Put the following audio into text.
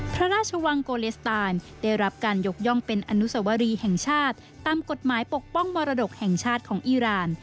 พระราชวังโกเลสตานได้รับการยกย่องเป็นอนุสวรีแห่งชาติตามกฎหมายปกป้องมรดกแห่งชาติของอีราน